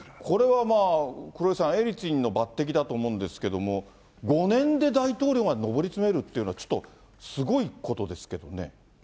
これは黒井さん、エリツィンの抜てきだと思うんですけれども、５年で大統領まで上り詰めるというのは、ちょっとすごいことですけどね。